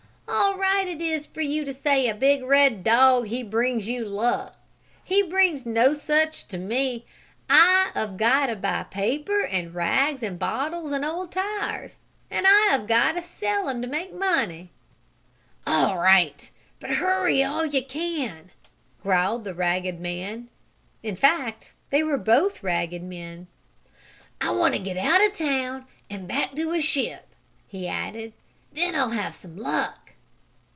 "All right it is for you to say a red dog he brings you luck. He brings no such to me. I of got to buy paper and rags and bottles and old auto tires, and I of got to sell 'em to make money." "All right, but hurry all you can!" growled the ragged man in fact they were both ragged men. "I want to get out of town and back to a ship," he added. "Then I'll have some luck!"